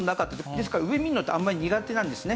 ですから上見るのってあんまり苦手なんですね。